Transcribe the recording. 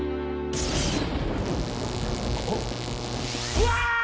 うわ！